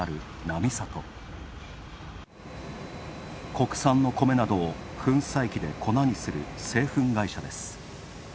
国産の米などを粉砕機で粉にする製粉会社です。